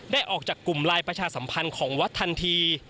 ออกจากกลุ่มลายประชาสัมพันธ์ของวัดทันที